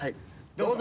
どうぞ！